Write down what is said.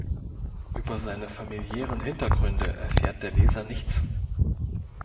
Über seine familiären Hintergründe erfährt der Leser nichts.